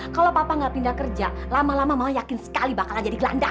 kalau papa nggak pindah kerja lama lama malah yakin sekali bakal jadi gelandang